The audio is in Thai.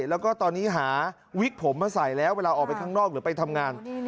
แล้วก็ตอนนี้หาวิกผมมาใส่แล้วเวลาออกไปข้างนอกหรือไปทำงาน